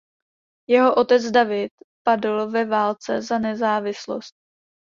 Jeho otec David padl ve válce za nezávislost.